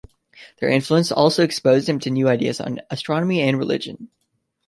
Their influence also exposed him to new ideas on astronomy and religion.